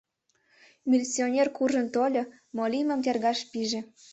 Милиционер куржын тольо, мо лиймым тергаш пиже.